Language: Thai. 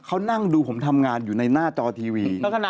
เขานั่งดูผมทำงานอยู่ในหน้าจอทีวี